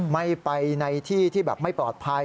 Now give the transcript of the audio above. ไม่ไปในที่ที่แบบไม่ปลอดภัย